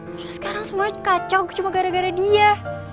terus sekarang semuanya kacau cuma gara gara dia